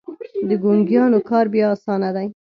د ګونګيانو کار بيا اسانه دی.